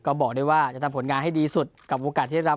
ก็บอกด้วยว่าจะทำผลงานให้ดีสุดกับโอกาสที่ได้รับ